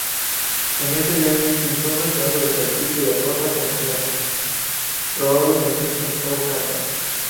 En este viaje, pintó un retrato de perfil de Rosas anciano, probablemente, en Southampton.